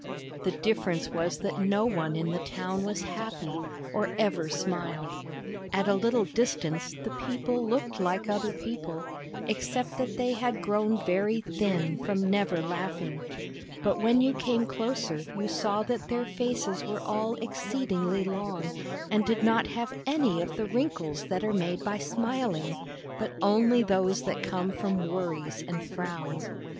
The difference was that no one in the town was happy, or ever smiled. At a little distance the people io 5 THE BAG OF SMILES looked like other people, except that they had grown very thin from never laughing; but when you came closer you saw that their faces were all exceedingly long, and did not have any of the wrinkles that are made by smiling, but only those that come from worries and frowns.